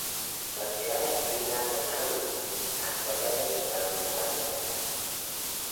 Ta traa creenagh yn arroo, agh cha vel eh traaue ny magheryn.